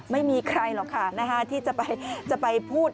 ไม่มีใครหรอกค่ะที่จะไปพูด